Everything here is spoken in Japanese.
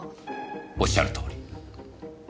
おっしゃるとおり。